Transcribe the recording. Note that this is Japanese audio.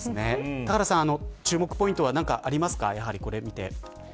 田原さん注目ポイントは何かありますか。